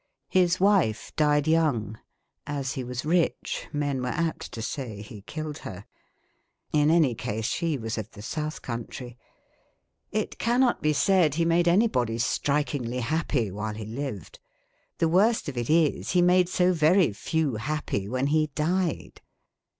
His wife died young. PHILANTHROPISTS 81 As he was rich, men were apt to say he killed her. In any case she was of the South Country. It cannot be said he made anybody strikingly happy while he lived. The worst of it is, he made so very few happy when he died.